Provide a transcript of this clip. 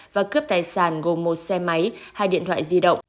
và cướp tài sản gồm một xe máy hai điện thoại di động